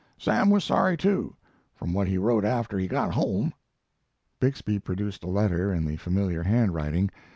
Sam was sorry, too, from what he wrote after he got home." Bixby produced a letter in the familiar handwriting.